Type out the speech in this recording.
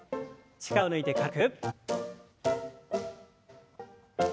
力を抜いて軽く。